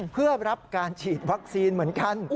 เพื่อรับการฉีดวัคซีนเหมือนกัน